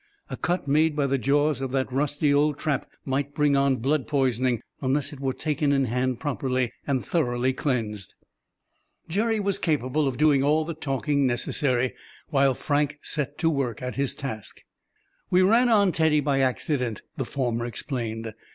A cut made by the jaws of that rusty old trap might bring on blood poisoning, unless it were taken in hand properly, and thoroughly cleansed. Jerry was capable of doing all the talking necessary, while Frank set to work at his task. "We ran on Teddy by accident," the former explained.